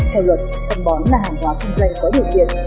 theo luật phân bón là hàng hóa kinh doanh có điều kiện